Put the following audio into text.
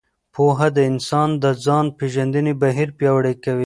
پوهه د انسان د ځان پېژندنې بهیر پیاوړی کوي.